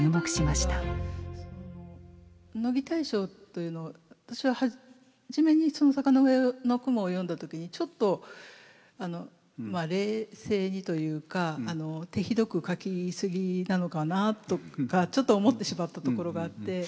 乃木大将というのを私は初めにその「坂の上の雲」を読んだ時にちょっと冷静にというか手ひどく書き過ぎなのかなとかちょっと思ってしまったところがあって。